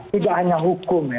tidak hanya hukum